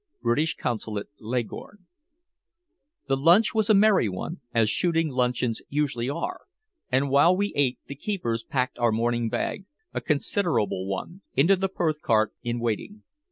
British Consulate, Leghorn"_ The lunch was a merry one, as shooting luncheons usually are, and while we ate the keepers packed our morning bag a considerable one into the Perth cart in waiting.